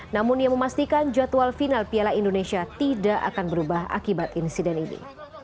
namun ia memastikan jadwal final piala indonesia tidak akan berubah akibat insiden ini